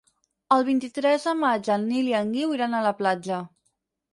El vint-i-tres de maig en Nil i en Guiu iran a la platja.